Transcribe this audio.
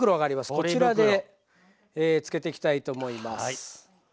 こちらで漬けていきたいと思います。